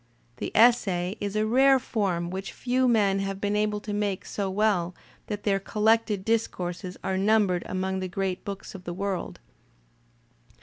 The essay is a rare form which few men have been able to make so well that thdr collected discourses are numbered among the great books of the world.